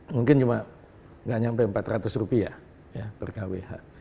mungkin cuma nggak sampai empat ratus rupiah per kwh